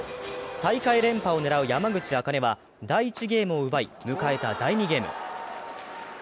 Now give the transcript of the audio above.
大会連覇を狙う山口茜は第１ゲームを奪い迎えた第２ゲーム。